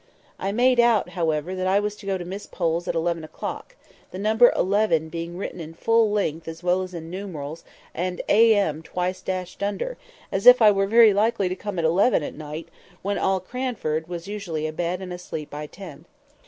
I made out, however, that I was to go to Miss Pole's at eleven o'clock; the number eleven being written in full length as well as in numerals, and A.M. twice dashed under, as if I were very likely to come at eleven at night, when all Cranford was usually abed and asleep by ten.